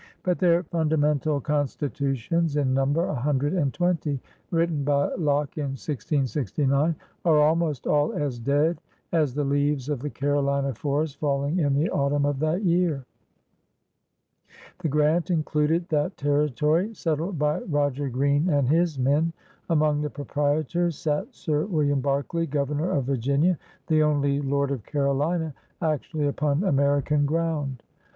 But their Funda mental Constitutions, ''in number a hundred and twenty, written by Locke in 1669, are almost all as dead as the leaves of the Carolina forest falling in the autumn of that year. The grant included that territory settled by 204 PIONEERS OP THE OLD SOUTH Roger Green and his men. Among the Proprietors sat Sir William Berkeley, Governor of Virginia, the only lord of Carolina actually upon American ground.